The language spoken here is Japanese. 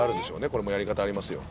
これもやり方ありますよ